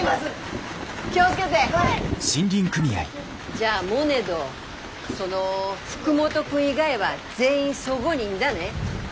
じゃあモネどその福本君以外は全員そごにいんだね？